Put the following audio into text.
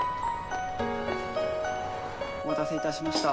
・お待たせ致しました